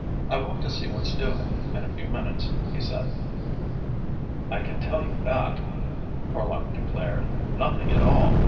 "I want to see what's doing, in a few minutes," he said. "I can tell you that," Horlock declared. "Nothing at all!